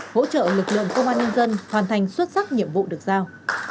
hỗ trợ lực lượng công an nhân dân hoàn thành xuất sắc nhiệm vụ được giao